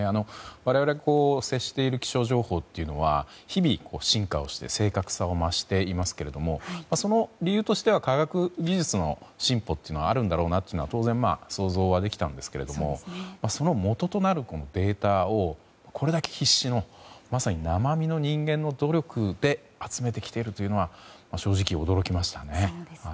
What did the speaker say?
我々が接している気象情報というのは日々、進化をして正確さを増していますがその理由としては科学技術の進歩はあるんだろうなというのは当然、想像はできたんですがそのもととなるデータをこれだけ必死のまさに生身の人間の努力で集めてきているというのは正直、驚きましたね。